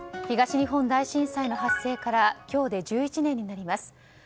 東日本大震災の発生から今日で１１年になります。